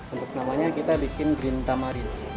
untuk namanya kita bikin green tamarin